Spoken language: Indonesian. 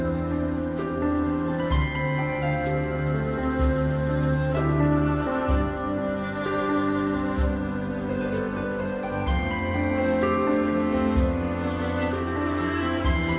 saya akan mencari kepuasan